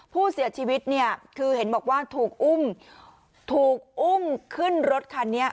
ผู้เสียชีวิตเนี่ยคือเห็นบอกว่าถูกอุ้มถูกอุ้มขึ้นรถคันนี้